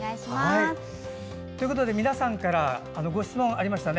皆さんからご質問がありましたね。